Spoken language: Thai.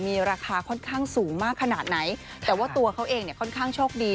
มีราคาค่อนข้างสูงมากขนาดไหนแต่ว่าตัวเขาเองเนี่ยค่อนข้างโชคดี